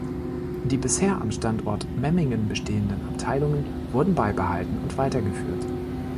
Die bisher am Standort Memmingen bestehenden Abteilungen wurden beibehalten und weitergeführt.